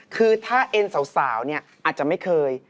คือถ้าเอ็นสาวเนี่ยอาจจะไม่เคย